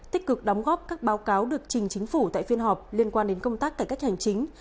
tích cực đóng góp các báo cáo được trình chính phủ tại phiên họp liên quan đến công tác cải cách hành chính